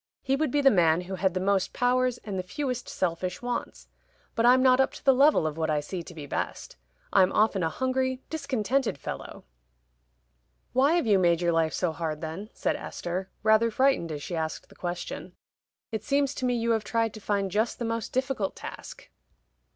He would be the man who had the most powers and the fewest selfish wants. But I'm not up to the level of what I see to be best. I'm often a hungry discontented fellow." "Why have you made your life so hard then?" said Esther, rather frightened as she asked the question. "It seems to me you have tried to find just the most difficult task."